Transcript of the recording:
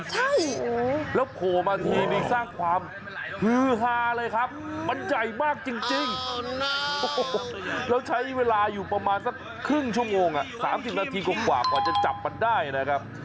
ใช่แล้วโผล่มาทีนี่สร้างความฮือฮาเลยครับมันใหญ่มากจริงแล้วใช้เวลาอยู่ประมาณสักครึ่งชั่วโมง๓๐นาทีกว่ากว่าจะจับมันได้นะครับ